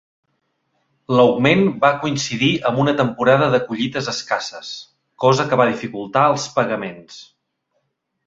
L'augment va coincidir amb una temporada de collites escasses, cosa que va dificultar els pagaments.